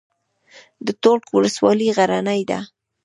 د تولک ولسوالۍ غرنۍ ده